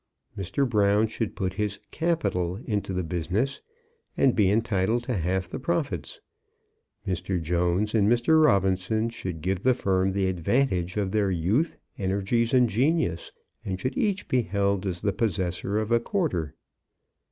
Mr. Brown should put his "capital" into the business, and be entitled to half the profits. Mr. Jones and Mr. Robinson should give the firm the advantage of their youth, energies, and genius, and should each be held as the possessor of a quarter.